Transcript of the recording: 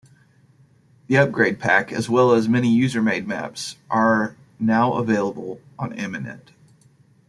The upgrade pack, as well as many user-made maps, are now available on Aminet.